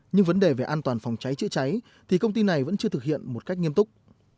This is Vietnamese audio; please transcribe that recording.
nhưng vấn đề về an toàn phòng cháy chữa cháy thì công ty này vẫn chưa thực hiện một cách nghiêm túc